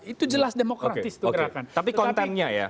itu jelas demokratis tapi kontennya ya